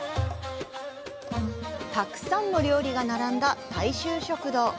たくさんの料理が並んだ大衆食堂。